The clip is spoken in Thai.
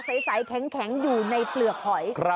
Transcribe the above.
แถวขาวใสแข็งอยู่ในเกุริยเปลือกหอย